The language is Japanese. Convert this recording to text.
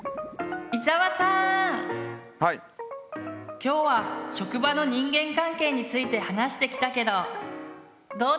今日は職場の人間関係について話してきたけどどうでした？